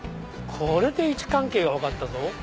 これで位置関係が分かったぞ。